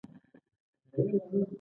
په اغیزناکه توګه یې ټولنې ته وړاندې کړي.